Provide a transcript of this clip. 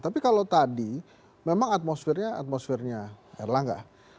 tapi kalau tadi memang atmosfernya atmosfernya erlangga